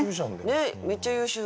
ねっめっちゃ優秀。